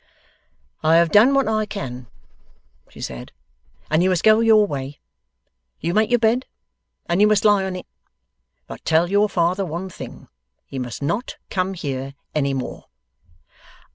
'I have done what I can,' she said, 'and you must go your way. You make your bed, and you must lie on it. But tell your father one thing: he must not come here any more.